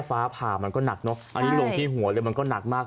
ฟ้าผ่ามันก็หนักเนอะอันนี้ลงที่หัวเลยมันก็หนักมาก